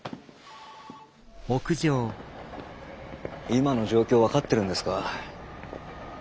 今の状況分かってるんですか？